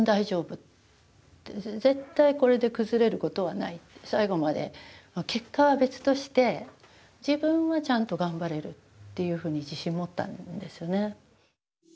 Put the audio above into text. そう思った途端に最後まで結果は別として自分はちゃんと頑張れるっていうふうに自信持ったんですよね。